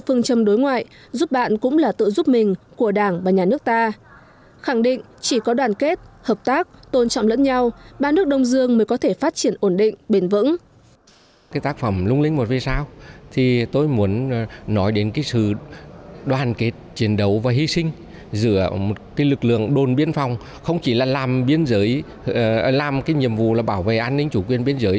khẳng định chỉ có đoàn kết hợp tác tôn trọng lẫn nhau ba nước đông dương mới có thể phát triển ổn định bền vững